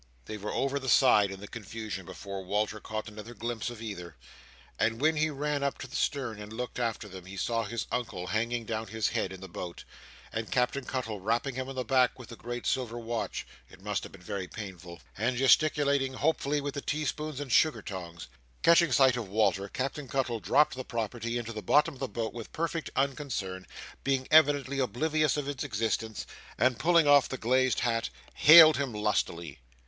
They were over the side in the confusion, before Walter caught another glimpse of either; and when he ran up to the stern, and looked after them, he saw his Uncle hanging down his head in the boat, and Captain Cuttle rapping him on the back with the great silver watch (it must have been very painful), and gesticulating hopefully with the teaspoons and sugar tongs. Catching sight of Walter, Captain Cuttle dropped the property into the bottom of the boat with perfect unconcern, being evidently oblivious of its existence, and pulling off the glazed hat hailed him lustily.